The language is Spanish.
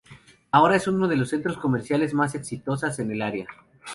Ahora es uno de los centros comerciales más exitosas en el área.